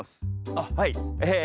あっはいえ